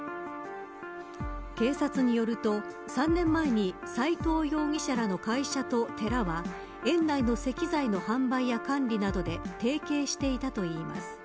警察によると３年前に斎藤容疑者らの会社と寺は園内の石材の販売や管理などで提携していたといいます。